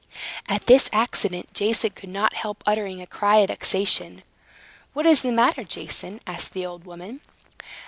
At this accident Jason could not help uttering a cry of vexation. "What is the matter, Jason?" asked the old woman.